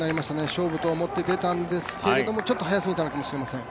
勝負と思って出たんですが早すぎたのかもしれません。